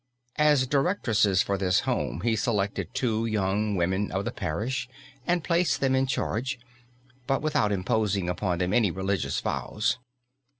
As directresses for this home he selected two young women of the parish and placed them in charge, but without imposing upon them any religious vows.